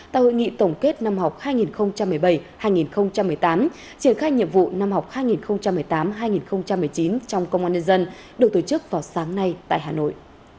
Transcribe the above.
tại hội nghị tổng kết năm học hai nghìn một mươi bảy hai nghìn một mươi tám triển khai nhiệm vụ năm học hai nghìn một mươi tám hai nghìn một mươi chín trong công an nhân dân được tổ chức vào sáng nay tại hà nội